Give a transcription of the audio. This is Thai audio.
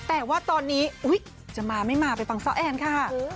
แต่ว่าตอนนี้จะมาไม่มาไปฟังซ้อแอนค่ะ